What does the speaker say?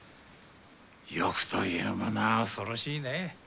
欲というものは恐ろしいねぇ。